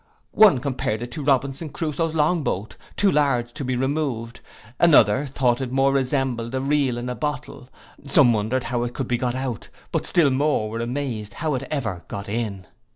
One compared it to Robinson Crusoe's long boat, too large to be removed; another thought it more resembled a reel in a bottle; some wondered how it could be got out, but still more were amazed how it ever got in.